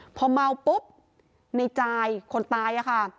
พอเมาปุ๊บในจ่ายคนตายค่ะ